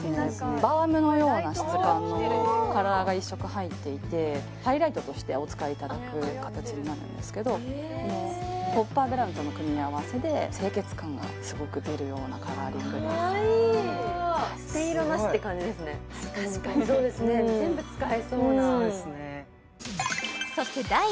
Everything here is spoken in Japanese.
バームのような質感のカラーが１色入っていてハイライトとしてお使いいただく形になるんですけどコッパーブラウンとの組み合わせで清潔感がすごく出るようなカラーリングですかわいい確かにそうですね